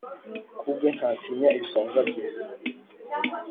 Kubwe ntatinya ibisongo bye